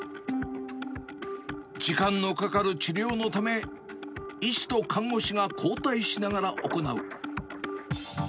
時間のかかる治療のため、医師と看護師が交代しながら行う。